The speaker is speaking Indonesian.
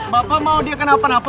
bapak mau dia kenapa napa